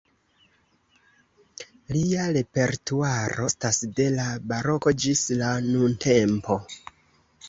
Lia repertuaro estas de la baroko ĝis la nuntempo.